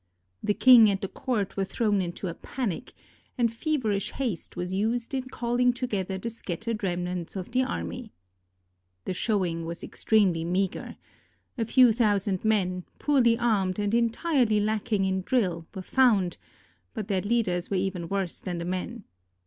The king and the court were thrown into a panic, and feverish haste was used in calling together the scattered remnants of the army. The showing was extremely meager. A few thou sand men, poorly armed and entirely lacking in drill, were found, but their leaders were even worse than the men.